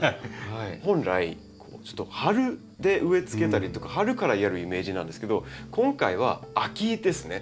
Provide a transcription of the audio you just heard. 本来春で植えつけたりとか春からやるイメージなんですけど今回は秋ですね。